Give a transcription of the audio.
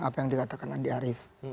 apa yang dikatakan andi arief